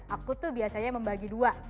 aku tuh biasanya membagi dua